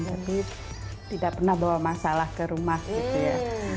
jadi tidak pernah bawa masalah ke rumah gitu ya